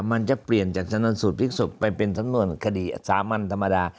มันจะเปลี่ยนจากชนสูตรพลิกศพไปเป็นสำนวนคดีสามัญธรรมดา